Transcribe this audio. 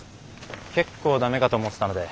結構ダメかと思ってたので。